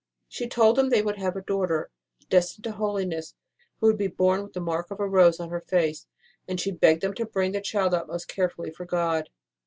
She told them they would have a daughter, destined to holiness, who should be born with the mark of a rose on her face ; and she begged them to bring the child up most care fully for God.